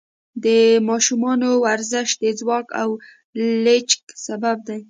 د ماشومانو ورزش د ځواک او لچک سبب دی.